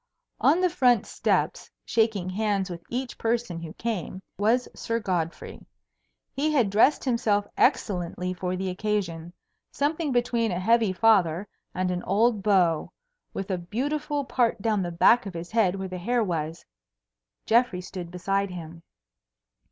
On the front steps, shaking hands with each person who came, was Sir Godfrey. He had dressed himself excellently for the occasion; something between a heavy father and an old beau, with a beautiful part down the back of his head where the hair was. Geoffrey stood beside him.